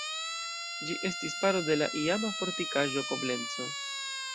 Ĝi estis parto de la iama fortikaĵo Koblenco.